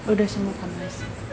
udah sembuh kan mas